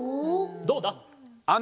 どうだ？